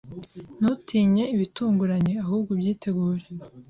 Ntutinye ibitunguranye, ahubwo ubyitegure.